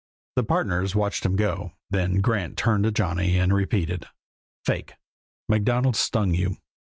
The partners watched him go, then Grant turned to Johnny, and repeated: "Fake! MacDonald stung you."